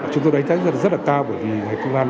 chúng tôi đánh giá rất là cao bởi vì công an